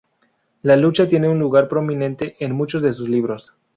La lucha tiene un lugar prominente en muchos de sus libros.